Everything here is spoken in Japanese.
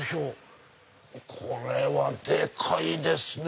これはでかいですね！